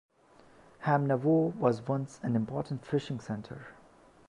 Hamnavoe was once an important fishing centre.